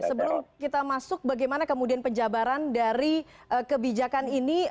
sebelum kita masuk bagaimana kemudian penjabaran dari kebijakan ini